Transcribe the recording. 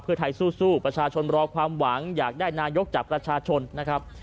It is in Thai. เพื่อไทยสู้ประชาชนรอความหวังอยากได้นายกจากประชาชนนะครับ